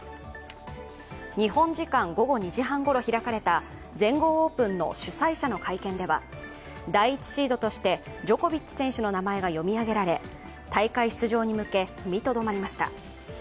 日本時間午後２時半ごろ開かれた全豪オープンの主催者の会見では、第１シードとしてジョコビッチ選手の名前が読み上げられ大会出場に向け、踏みとどまりました。